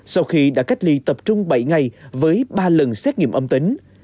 sau khi đã cách ly tập trung bảy ngày với ba lần xét nghiệm âm tính